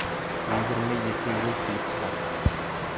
Егерме ете йыл килеп сыға.